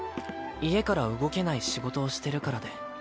家から動けない仕事をしてるからで